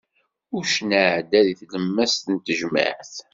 Uccen iɛeddan di tlemmast n tejmaɛt!